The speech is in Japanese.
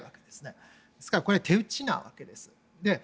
ですからこれは手打ちなわけです。